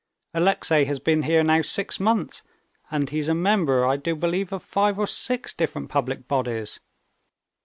Alexey has been here now six months, and he's a member, I do believe, of five or six different public bodies.